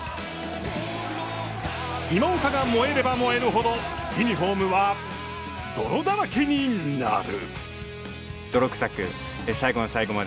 今岡が燃えれば燃えるほどユニホームは泥だらけになる。